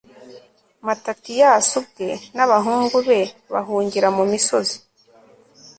matatiyasi ubwe n'abahungu be bahungira mu misozi